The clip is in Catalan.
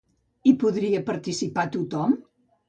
Hi podria participar tothom?